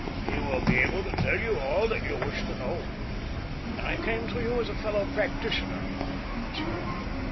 He will be able to tell you all that you wish to know." "I came to you as a fellow practitioner," answered Arthur.